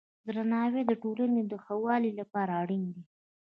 درناوی د ټولنې د ښه والي لپاره اړین دی.